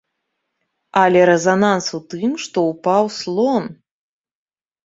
Але рэзананс у тым, што ўпаў слон!